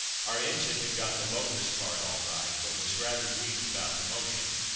Our engine had got the locus part all right, but was rather weak about the motion.